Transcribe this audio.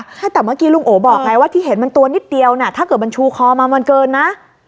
ใช่แต่เมื่อกี้ลุงโอบอกไงว่าที่เห็นมันตัวนิดเดียวน่ะถ้าเกิดมันชูคอมามันเกินนะ